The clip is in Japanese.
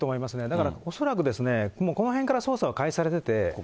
だから、恐らくもうこのへんから捜査は開始されてて。